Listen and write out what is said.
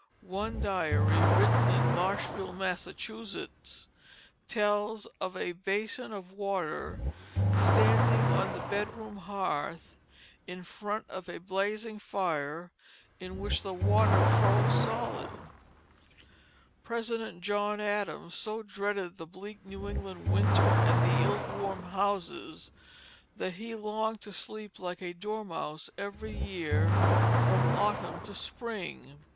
One diary, written in Marshfield, Massachusetts, tells of a basin of water standing on the bedroom hearth, in front of a blazing fire, in which the water froze solid. President John Adams so dreaded the bleak New England winter and the ill warmed houses that he longed to sleep like a dormouse every year, from autumn to spring.